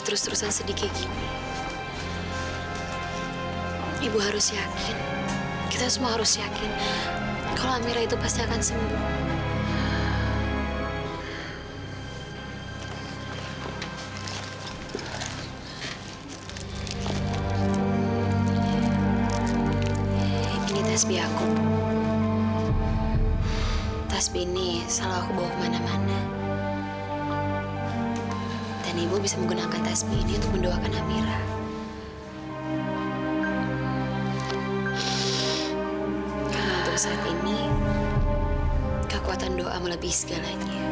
tadi kamu lihat sendiri kan